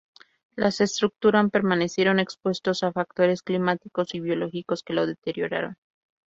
Las estructuran permanecieron expuestos a factores climáticos y biológicos que lo deterioraron.